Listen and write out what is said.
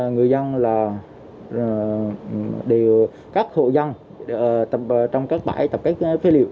người dân là các hộ dân trong các bãi tập kết phế liệu